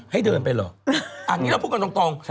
ให้เดินไปเหรออันนี้เราพูดกันตรง